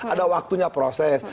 ada waktunya proses